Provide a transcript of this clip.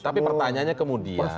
tapi pertanyaannya kemudian